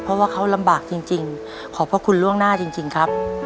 เพราะว่าเขาลำบากจริงขอบพระคุณล่วงหน้าจริงครับ